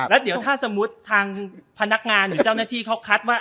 แล้วเดี๋ยวถ้าสมมุติทางพนักงานหรือเจ้าหน้าที่เขาคัดว่า